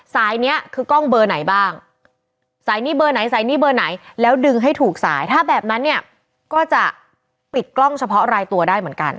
สายเนี้ยคือกล้องเบอร์ไหนบ้างสายหนี้เบอร์ไหนสายหนี้เบอร์ไหนแล้วดึงให้ถูกสายถ้าแบบนั้นเนี่ยก็จะปิดกล้องเฉพาะรายตัวได้เหมือนกัน